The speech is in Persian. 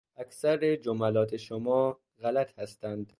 اکثر جملات شما غلط هستند.